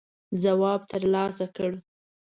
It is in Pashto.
ځواب تر لاسه کړ.